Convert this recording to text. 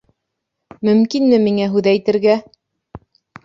Мөмкинме миңә һүҙ әйтергә?